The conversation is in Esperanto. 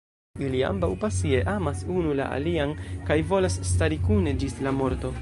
Ili ambaŭ pasie amas unu la alian kaj volas stari kune ĝis la morto.